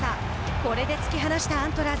これで突き放したアントラーズ。